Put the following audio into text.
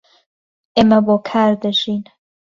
ئێمە بۆ کار دەژین.